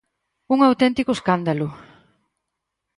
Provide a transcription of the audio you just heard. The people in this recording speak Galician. Un auténtico escándalo.